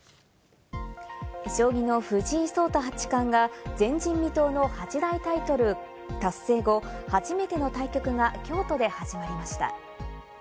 将棋の藤井聡太八冠が前人未到の八大タイトル達成後、初めての対局が京都で始まりました。